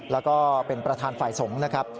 แล้วก็เป็นประธานฝ่ายสงฆ์นะครับ